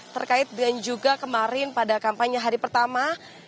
terkait dan juga kemarin pada kampanye hari pertama